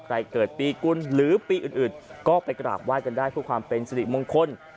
ใครเกิดปีกุลหรือปีอื่นก็ไปกระดาษว่ายกันได้ผู้ความเป็นสิริมงคล